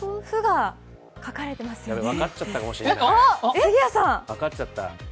分かちゃったかもしれない。